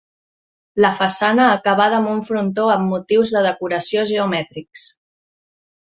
La façana acaba amb un frontó amb motius de decoració geomètrics.